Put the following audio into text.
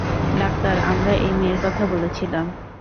Doctor, আমরা এই মেয়ের কথা বলেছিলাম।